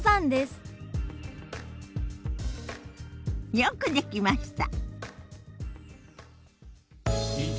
よくできました。